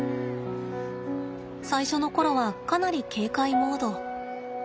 最初の頃はかなり警戒モード。